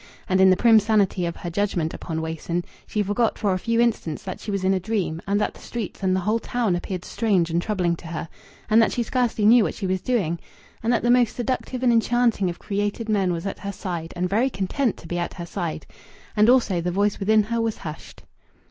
And in the prim sanity of her judgment upon Wason she forgot for a few instants that she was in a dream, and that the streets and the whole town appeared strange and troubling to her, and that she scarcely knew what she was doing, and that the most seductive and enchanting of created men was at her side and very content to be at her side. And also the voice within her was hushed.